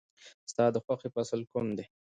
ستا د خوښې فصل کوم دی؟